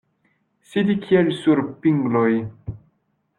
Sidi kiel sur pingloj.